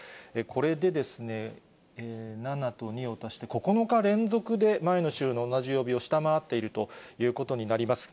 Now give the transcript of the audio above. これで７と２を足して、９日連続で前の週の同じ曜日を下回っているということになります。